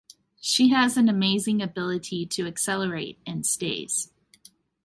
She has an amazing ability to accelerate and stays.